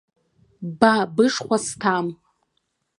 Ба бышхәа сҭам!